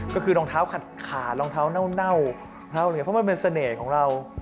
ก็คือรองเท้าขาดรองเท้าเน่าเพราะมันเป็นเสน่ห์ของเรา